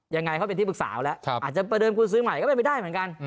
ยังไงเขาเป็นที่ปรึกษาเอาแล้วใช่อาจจะไปเดินคุณซื้อใหม่ก็ไม่ได้เหมือนกัน